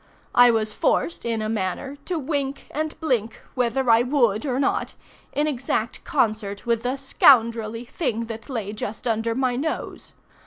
I was forced, in a manner, to wink and to blink, whether I would or not, in exact concert with the scoundrelly thing that lay just under my nose.